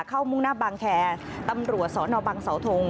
มุ่งหน้าบางแคร์ตำรวจสนบังเสาทง